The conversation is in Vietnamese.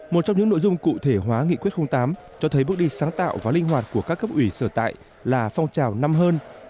một trong những nội dung cụ thể hóa nghị quyết tám cho thấy bước đi sáng tạo và linh hoạt của các cấp ủy sở tại là phong trào năm hơn